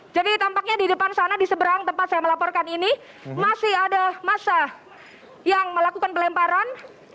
jadi tampaknya di depan sana di seberang tempat saya melaporkan ini masih ada masa yang melakukan pelemparan